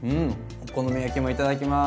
お好み焼きもいただきます！